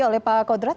oleh pak khodrat